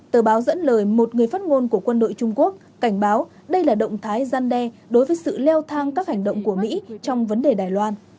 tờ báo dẫn lời một người phát ngôn của quân đội trung quốc cảnh báo đây là động thái gian đe đối với sự leo thang các hành động của mỹ trong vấn đề đài loan